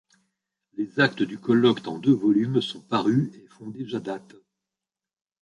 Les actes du colloque en deux volumes sont parus et font déjà date.